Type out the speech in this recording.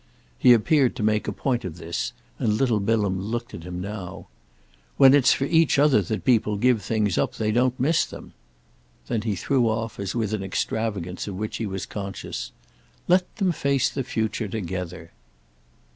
He appeared to make a point of this, and little Bilham looked at him now. "When it's for each other that people give things up they don't miss them." Then he threw off as with an extravagance of which he was conscious: "Let them face the future together!"